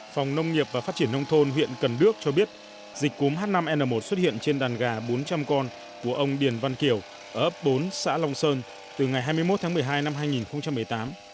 phòng nông nghiệp và phát triển nông thôn huyện cần đước cho biết dịch cúm h năm n một xuất hiện trên đàn gà bốn trăm linh con của ông điền văn kiểu ở ấp bốn xã long sơn từ ngày hai mươi một tháng một mươi hai năm hai nghìn một mươi tám